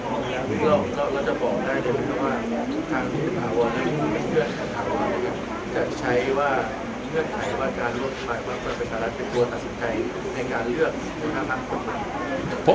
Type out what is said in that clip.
เป็นตัวตัดสินใจในการเลือกคุณภาพหรือเปล่า